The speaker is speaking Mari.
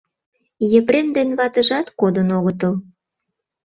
Епрем ден ватыжат кодын огытыл.